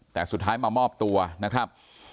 แต่สุดท้ายมามอบตัวนะครับ